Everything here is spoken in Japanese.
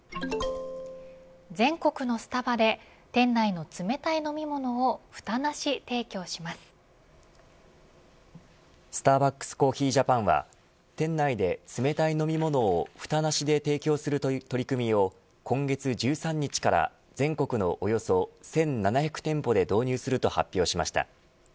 全国のスタバで店内の冷たい飲み物をふたなし提供しまスターバックスコーヒージャパンは店内で冷たい飲み物をふたなしで提供する取り組みを今月１３日から全国のおよそ１７００店舗で導入すると発表しました。